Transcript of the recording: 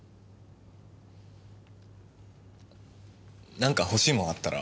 何か欲しいもんあったら。